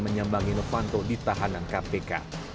menyambangi novanto di tahanan kpk